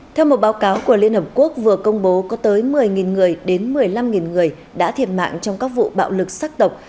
theo một báo cáo của liên hợp quốc vừa công bố có tới một mươi người đến một mươi năm người đã thiệt mạng trong các vụ bạo lực sắc tộc